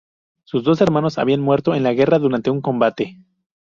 Sus dos hermanos habían muerto en la guerra durante un combate.